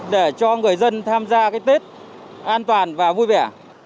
để cho người dân tham gia cái tết an toàn và vui vẻ